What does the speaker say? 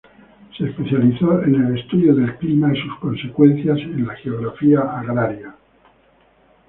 Se especializó en el estudio del clima y sus consecuencias en la geografía agraria.